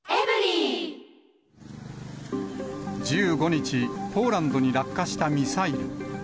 １５日、ポーランドに落下したミサイル。